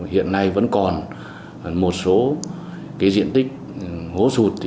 hiện nay vẫn còn một số diện tích hố sụt